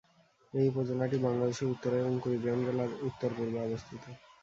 এই উপজেলাটি বাংলাদেশের উত্তরে এবং কুড়িগ্রাম জেলার উত্তর পূর্বে অবস্থিত।